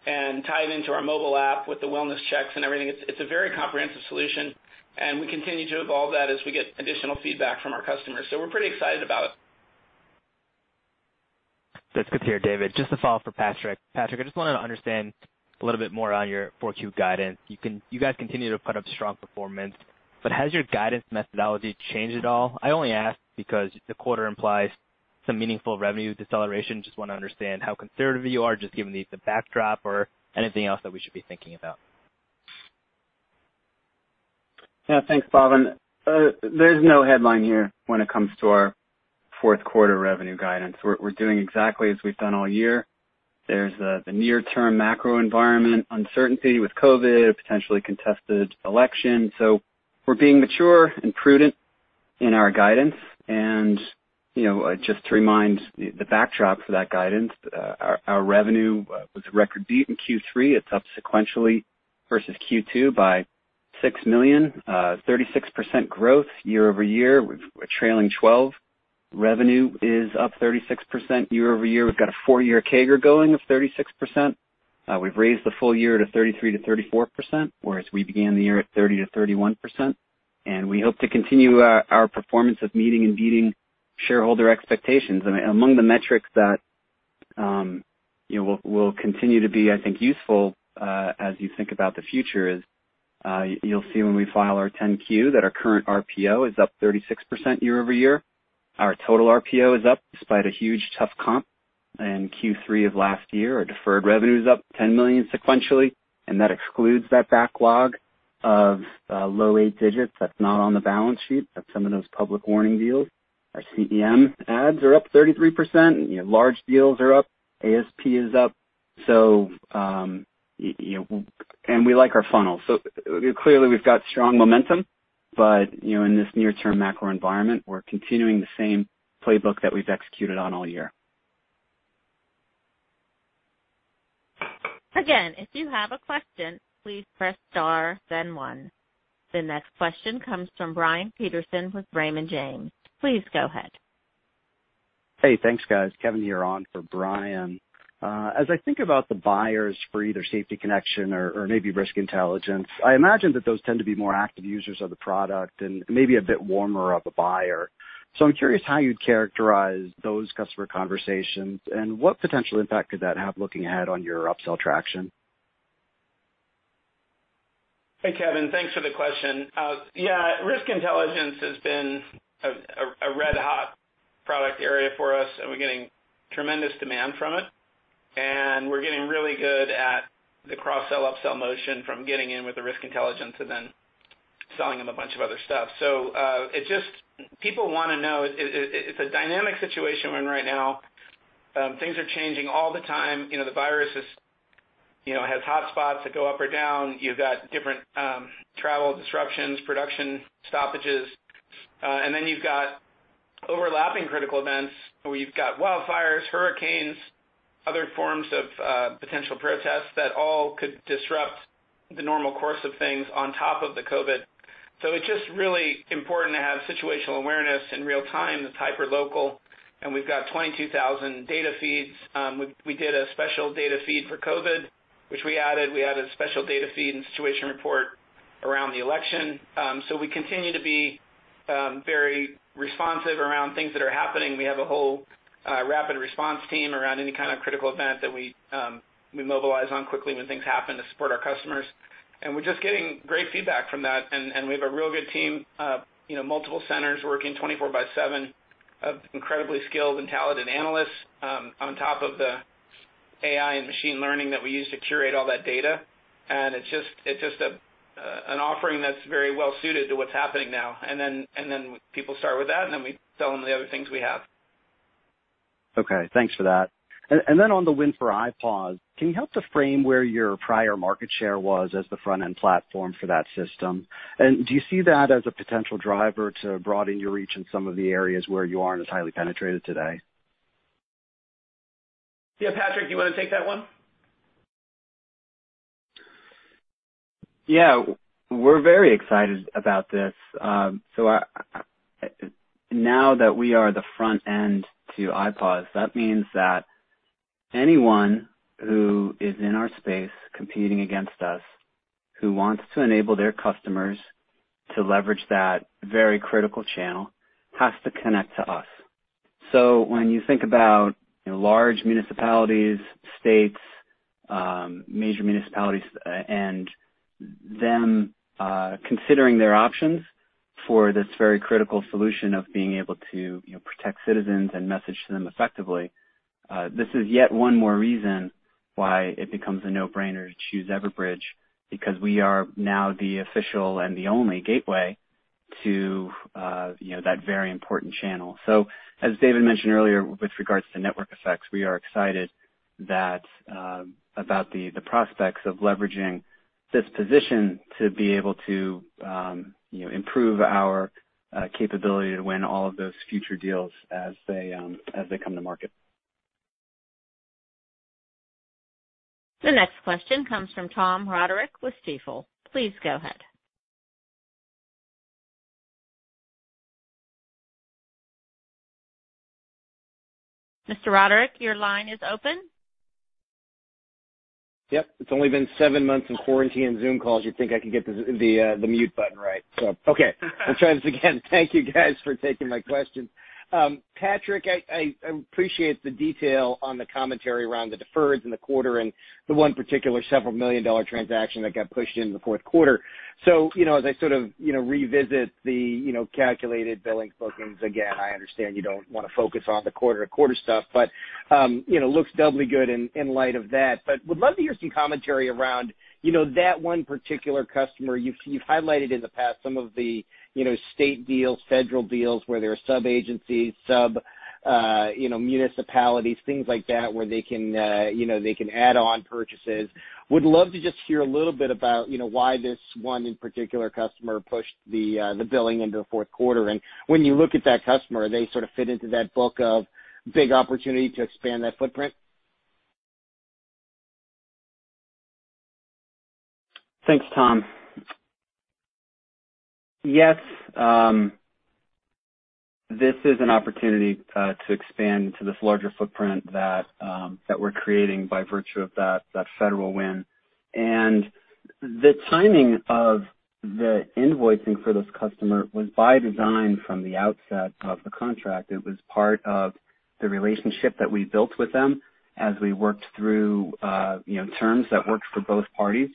Speaker 4: and tie it into our mobile app with the wellness checks and everything. It's a very comprehensive solution. We continue to evolve that as we get additional feedback from our customers. We're pretty excited about it.
Speaker 9: That's good to hear, David. Just to follow up for Patrick. Patrick, I just wanted to understand a little bit more on your 4Q guidance. You guys continue to put up strong performance, but has your guidance methodology changed at all? I only ask because the quarter implies some meaningful revenue deceleration. Just want to understand how conservative you are, just given the backdrop or anything else that we should be thinking about.
Speaker 5: Yeah. Thanks, Bhavin. There's no headline here when it comes to our fourth quarter revenue guidance. We're doing exactly as we've done all year. There's the near term macro environment uncertainty with COVID, a potentially contested election. We're being mature and prudent in our guidance. Just to remind the backdrop for that guidance, our revenue was a record beat in Q3. It's up sequentially versus Q2 by $6 million, 36% growth year-over-year. Trailing 12 revenue is up 36% year-over-year. We've got a four-year CAGR going of 36%. We've raised the full year to 33%-34%, whereas we began the year at 30%-31%. We hope to continue our performance of meeting and beating shareholder expectations. Among the metrics that will continue to be, I think, useful, as you think about the future is, you'll see when we file our 10-Q, that our current RPO is up 36% year-over-year. Our total RPO is up despite a huge tough comp in Q3 of last year. Our deferred revenue is up $10 million sequentially, and that excludes that backlog of low eight digits that's not on the balance sheet. That's some of those public warning deals. Our CEM adds are up 33%. Large deals are up. ASP is up. We like our funnel. Clearly we've got strong momentum. In this near term macro environment, we're continuing the same playbook that we've executed on all year.
Speaker 1: Again, if you have a question, please press star, then one. The next question comes from Brian Peterson with Raymond James. Please go ahead.
Speaker 10: Hey, thanks, guys. Kevin here on for Brian. As I think about the buyers for either Safety Connection or maybe Risk Intelligence, I imagine that those tend to be more active users of the product and maybe a bit warmer of a buyer. I'm curious how you'd characterize those customer conversations and what potential impact could that have looking ahead on your upsell traction?
Speaker 4: Hey, Kevin, thanks for the question. Yeah, Risk Intelligence has been a red hot product area for us, and we're getting tremendous demand from it, and we're getting really good at the cross-sell, upsell motion from getting in with the Risk Intelligence and then selling them a bunch of other stuff. People want to know it's a dynamic situation we're in right now. Things are changing all the time. The virus has hotspots that go up or down. You've got different travel disruptions, production stoppages, and then you've got overlapping critical events where you've got wildfires, hurricanes, other forms of potential protests that all could disrupt the normal course of things on top of the COVID. It's just really important to have situational awareness in real time that's hyper-local. We've got 22,000 data feeds. We did a special data feed for COVID, which we added. We added a special data feed and situation report around the election. We continue to be very responsive around things that are happening. We have a whole rapid response team around any kind of critical event that we mobilize on quickly when things happen to support our customers. We're just getting great feedback from that. We have a real good team, multiple centers working 24/7 of incredibly skilled and talented analysts, on top of the AI and machine learning that we use to curate all that data. It's just an offering that's very well suited to what's happening now. Then people start with that, and then we sell them the other things we have.
Speaker 10: Okay, thanks for that. On the win for IPAWS, can you help to frame where your prior market share was as the front-end platform for that system? Do you see that as a potential driver to broaden your reach in some of the areas where you aren't as highly penetrated today?
Speaker 4: Yeah. Patrick, do you want to take that one?
Speaker 5: Yeah. We're very excited about this. Now that we are the front end to IPAWS, that means that anyone who is in our space competing against us, who wants to enable their customers to leverage that very critical channel, has to connect to us. When you think about large municipalities, states, major municipalities, and them considering their options for this very critical solution of being able to protect citizens and message to them effectively, this is yet one more reason why it becomes a no-brainer to choose Everbridge, because we are now the official and the only gateway to that very important channel. As David mentioned earlier, with regards to network effects, we are excited about the prospects of leveraging this position to be able to improve our capability to win all of those future deals as they come to market.
Speaker 1: The next question comes from Tom Roderick with Stifel. Please go ahead. Mr. Roderick, your line is open.
Speaker 11: Yep. It's only been seven months in quarantine Zoom calls. You'd think I could get the mute button right. Okay, I'll try this again. Thank you guys for taking my question. Patrick, I appreciate the detail on the commentary around the deferred in the quarter and the one particular several million-dollar transactions that got pushed into the fourth quarter. As I sort of revisit the calculated billing bookings, again, I understand you don't want to focus on the quarter-to-quarter stuff but looks doubly good in light of that. Would love to hear some commentary around that one particular customer. You've highlighted in the past some of the state deals, federal deals, where there are sub-agencies, sub-municipalities, things like that, where they can add on purchases. Would love to just hear a little bit about why this one in particular customer pushed the billing into the fourth quarter. When you look at that customer, do they sort of fit into that book of big opportunity to expand that footprint?
Speaker 5: Thanks, Tom. Yes, this is an opportunity to expand to this larger footprint that we're creating by virtue of that federal win. The timing of the invoicing for this customer was by design from the outset of the contract. It was part of the relationship that we built with them as we worked through terms that worked for both parties.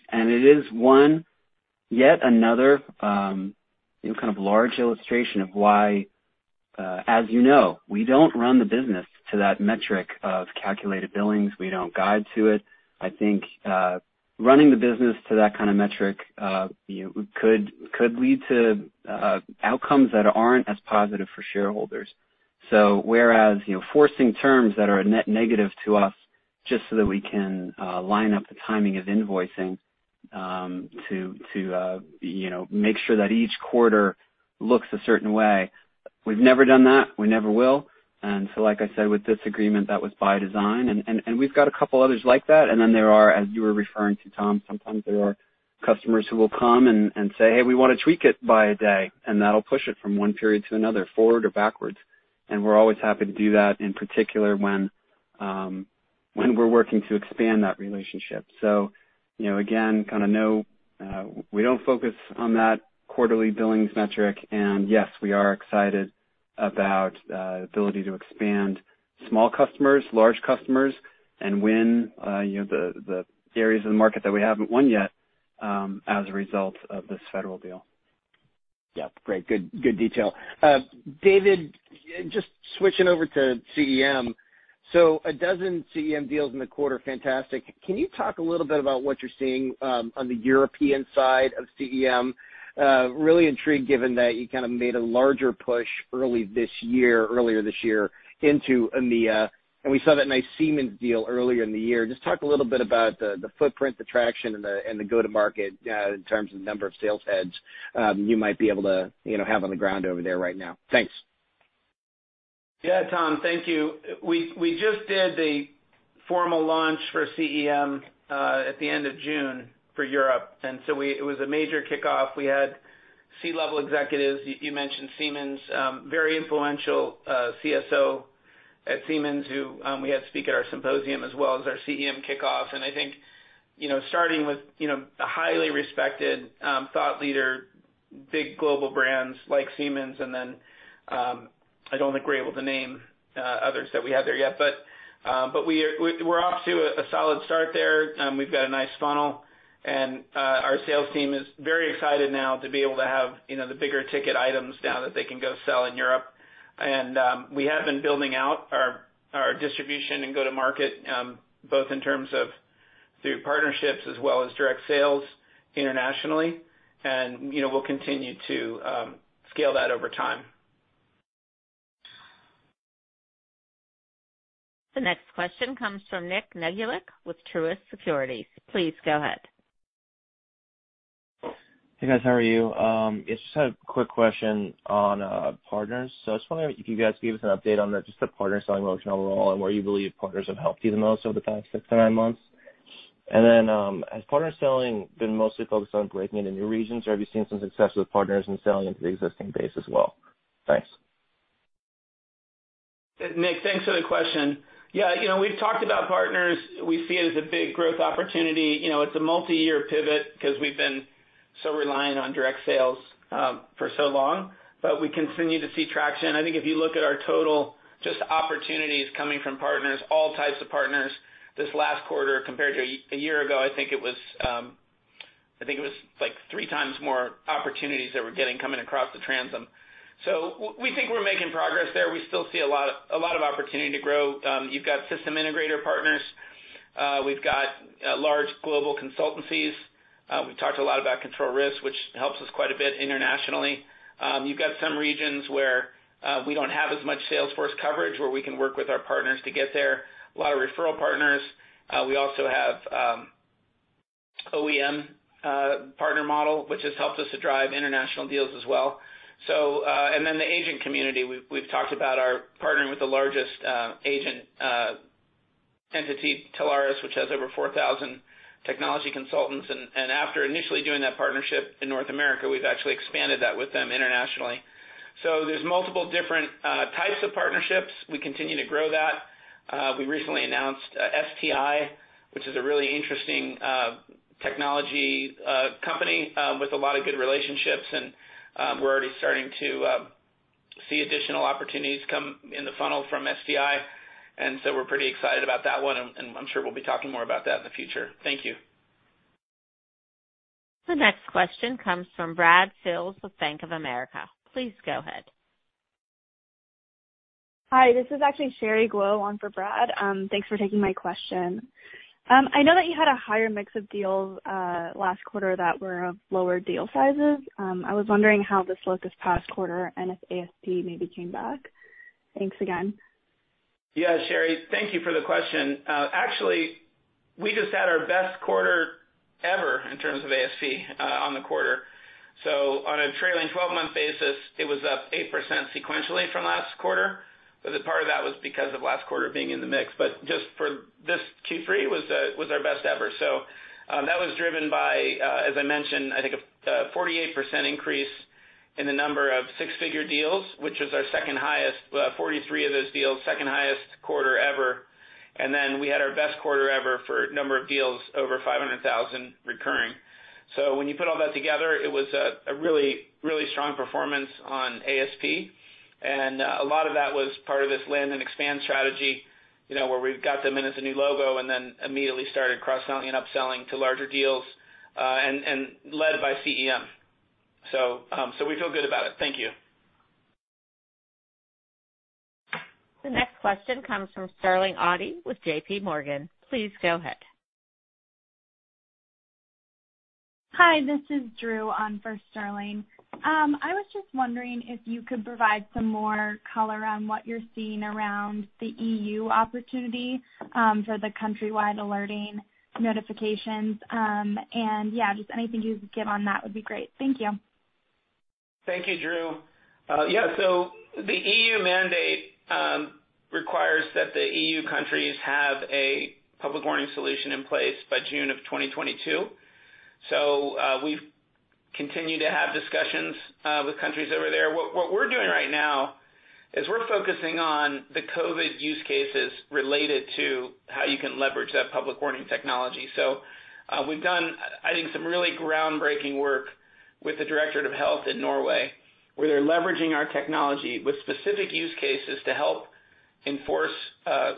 Speaker 5: It is one, yet another, kind of large illustration of why, as you know, we don't run the business to that metric of calculated billings. We don't guide to it. I think running the business to that kind of metric could lead to outcomes that aren't as positive for shareholders. Whereas, forcing terms that are a net negative to us just so that we can line up the timing of invoicing to make sure that each quarter looks a certain way, we've never done that. We never will. Like I said, with this agreement, that was by design, and we've got a couple others like that. Then there are, as you were referring to, Tom, sometimes there are customers who will come and say, "Hey, we want to tweak it by a day," and that'll push it from one period to another, forward or backwards. We're always happy to do that, in particular, when we're working to expand that relationship. Again, we don't focus on that quarterly billing's metric. Yes, we are excited about the ability to expand small customers, large customers, and win the areas of the market that we haven't won yet, as a result of this federal deal.
Speaker 11: Yeah. Great. Good detail. David, just switching over to CEM. A dozen CEM deals in the quarter. Fantastic. Can you talk a little bit about what you're seeing on the European side of CEM? Really intrigued, given that you kind of made a larger push earlier this year into EMEA, and we saw that nice Siemens deal earlier in the year. Just talk a little bit about the footprint, the traction, and the go-to-market in terms of the number of sales heads you might be able to have on the ground over there right now. Thanks.
Speaker 4: Yeah, Tom. Thank you. We just did the formal launch for CEM at the end of June for Europe. It was a major kickoff. We had C-level executives. You mentioned Siemens, very influential CSO at Siemens, who we had speak at our symposium as well as our CEM kickoff. I think, starting with a highly respected thought leader, big global brands like Siemens. Then, I don't think we're able to name others that we have there yet, but we're off to a solid start there. We've got a nice funnel, and our sales team is very excited now to be able to have the bigger ticket items now that they can go sell in Europe. We have been building out our distribution and go to market, both in terms of through partnerships as well as direct sales internationally. We'll continue to scale that over time.
Speaker 1: The next question comes from Nick Negulic with Truist Securities. Please go ahead.
Speaker 12: Hey, guys. How are you? I just had a quick question on partners. I was wondering if you guys could give us an update on just the partner selling motion overall and where you believe partners have helped you the most over the past six to nine months. Has partner selling been mostly focused on breaking into new regions, or have you seen some success with partners in selling into the existing base as well? Thanks.
Speaker 4: Nick, thanks for the question. Yeah, we've talked about partners. We see it as a big growth opportunity. It's a multi-year pivot because we've been so reliant on direct sales for so long, but we continue to see traction. I think if you look at our total just opportunities coming from partners, all types of partners this last quarter compared to a year ago, I think it was 3x more opportunities that we're getting coming across the transom. We think we're making progress there. We still see a lot of opportunity to grow. You've got system integrator partners. We've got large global consultancies. We've talked a lot about Control Risks, which helps us quite a bit internationally. You've got some regions where we don't have as much sales force coverage where we can work with our partners to get there. A lot of referral partners. We also have OEM partner model, which has helped us to drive international deals as well. The agent community. We've talked about our partnering with the largest agent entity, Telarus, which has over 4,000 technology consultants. After initially doing that partnership in North America, we've actually expanded that with them internationally. There're multiple different types of partnerships. We continue to grow that. We recently announced STI, which is a really interesting technology company with a lot of good relationships, and we're already starting to see additional opportunities come in the funnel from STI. We're pretty excited about that one, and I'm sure we'll be talking more about that in the future. Thank you.
Speaker 1: The next question comes from Brad Sills with Bank of America. Please go ahead.
Speaker 13: Hi, this is actually Sherry Guo on for Brad. Thanks for taking my question. I know that you had a higher mix of deals last quarter that were of lower deal sizes. I was wondering how this looked this past quarter and if ASP maybe came back. Thanks again.
Speaker 4: Yeah, Sherry. Thank you for the question. Actually, we just had our best quarter in terms of ASP on the quarter. On a trailing 12-month basis, it was up 8% sequentially from last quarter. Part of that was because of last quarter being in the mix. Just for this Q3 was our best ever. That was driven by, as I mentioned, I think a 48% increase in the number of six-figure deals, which was our second highest, 43 of those deals, second highest quarter ever. We had our best quarter ever for number of deals over 500,000 recurring. When you put all that together, it was a really, really strong performance on ASP. A lot of that was part of this land and expand strategy, where we've got them in as a new logo and then immediately started cross-selling and upselling to larger deals, and led by CEM. We feel good about it. Thank you.
Speaker 1: The next question comes from Sterling Auty with JPMorgan. Please go ahead.
Speaker 14: Hi, this is Drew on for Sterling. I was just wondering if you could provide some more color on what you're seeing around the E.U. opportunity, for the countrywide alerting notifications. Yeah, just anything you could give on that would be great. Thank you.
Speaker 4: Thank you, Drew. Yeah, the E.U. mandate requires that the E.U. countries have a public warning solution in place by June of 2022. We've continued to have discussions with countries over there. What we're doing right now is we're focusing on the COVID use cases related to how you can leverage that public warning technology. We've done, I think, some really groundbreaking work with the Norwegian Directorate of Health in Norway, where they're leveraging our technology with specific use cases to help enforce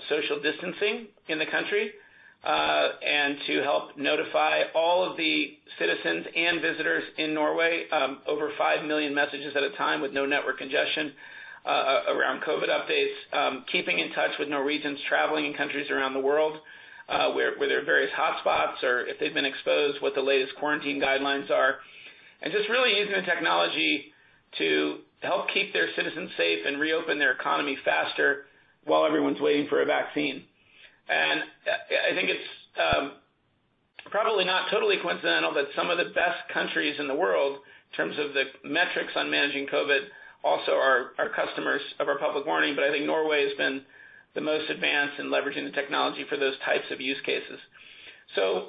Speaker 4: social distancing in the country, and to help notify all of the citizens and visitors in Norway, over five million messages at a time with no network congestion, around COVID updates, keeping in touch with Norwegians traveling in countries around the world, where there are various hotspots or if they've been exposed, what the latest quarantine guidelines are. Just really using the technology to help keep their citizens safe and reopen their economy faster while everyone's waiting for a vaccine. I think it's probably not totally coincidental that some of the best countries in the world, in terms of the metrics on managing COVID, also are customers of our public warning. I think Norway has been the most advanced in leveraging the technology for those types of use cases.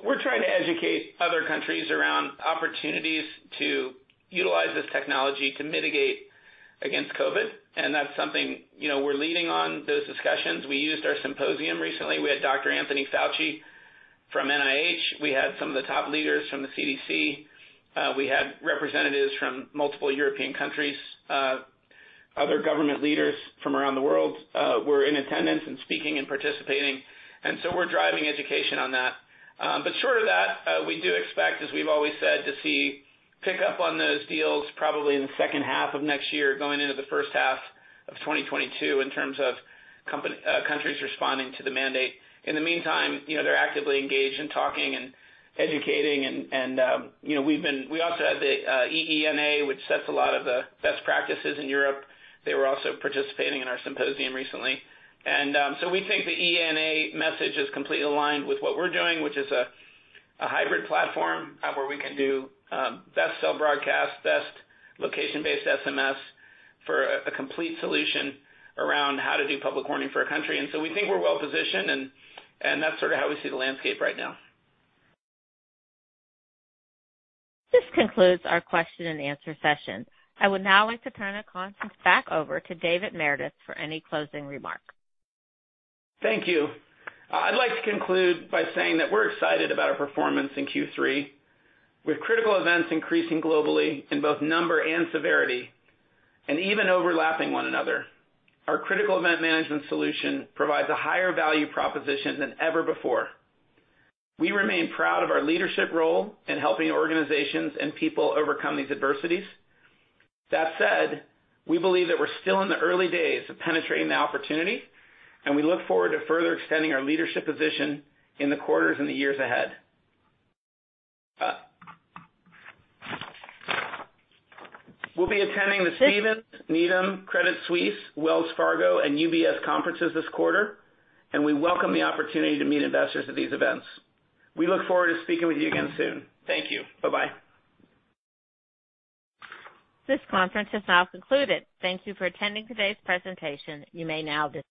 Speaker 4: We're trying to educate other countries around opportunities to utilize this technology to mitigate against COVID, and that's something we're leading on those discussions. We used our symposium recently. We had Dr. Anthony Fauci from NIH. We had some of the top leaders from the CDC. We had representatives from multiple European countries. Other government leaders from around the world were in attendance and speaking and participating. We're driving education on that. Short of that, we do expect, as we've always said, to see pick up on those deals probably in the second half of next year, going into the first half of 2022 in terms of countries responding to the mandate. In the meantime, they're actively engaged in talking and educating and we also had the EENA, which sets a lot of the best practices in Europe. They were also participating in our symposium recently. We think the EENA message is completely aligned with what we're doing, which is a hybrid platform where we can do best cell broadcast, best location-based SMS for a complete solution around how to do public warning for a country. We think we're well positioned and that's sort of how we see the landscape right now.
Speaker 1: This concludes our question-and-answer session. I would now like to turn the conference back over to David Meredith for any closing remarks.
Speaker 4: Thank you. I'd like to conclude by saying that we're excited about our performance in Q3. With critical events increasing globally in both number and severity, and even overlapping one another, our critical event management solution provides a higher value proposition than ever before. We remain proud of our leadership role in helping organizations and people overcome these adversities. That said, we believe that we're still in the early days of penetrating the opportunity, and we look forward to further extending our leadership position in the quarters in the years ahead. We'll be attending the Stephens, Needham, Credit Suisse, Wells Fargo, and UBS conferences this quarter, and we welcome the opportunity to meet investors at these events. We look forward to speaking with you again soon. Thank you. Bye-bye.
Speaker 1: This conference has now concluded. Thank you for attending today's presentation. You may now dis-